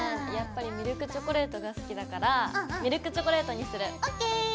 やっぱりミルクチョコレートが好きだからミルクチョコレートにする！ＯＫ！